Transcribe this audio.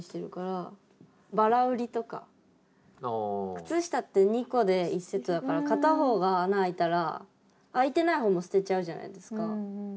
靴下って２個で１セットだから片方が穴開いたら開いてない方も捨てちゃうじゃないですか。